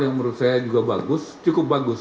yang menurut saya juga bagus